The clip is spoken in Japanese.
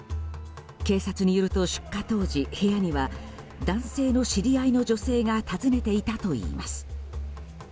警察によると出火当時、部屋には男性の知り合いの女性が訪ねていたといいます。